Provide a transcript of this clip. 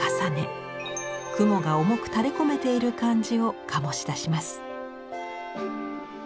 雲が重く垂れこめている感じを醸し出します。